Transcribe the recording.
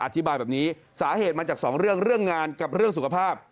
อธิบายแบบนี้สาเหตุมาจากสองเรื่องเรื่องงานกับเรื่องสุขภาพ